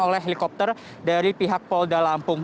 oleh helikopter dari pihak polda lampung